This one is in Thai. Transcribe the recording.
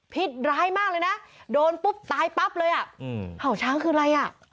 ร้ายมากเลยนะโดนปุ๊บตายปั๊บเลยอ่ะเห่าช้างคืออะไรอ่ะ